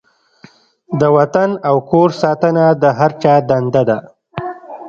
د وطن او کور ساتنه د هر چا دنده ده.